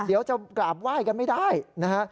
เดี๋ยวจะกราบไหว้กันไม่ได้นะฮะ